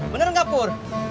bener nggak pur